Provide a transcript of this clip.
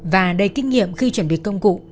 và đầy kinh nghiệm khi chuẩn bị công cụ